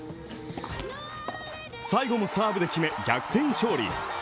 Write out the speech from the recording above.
最後もサーブで決め、逆転勝利。